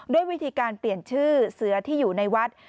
ด้วยวิธีการเปลี่ยนชื่อเสือที่อยู่ในวัด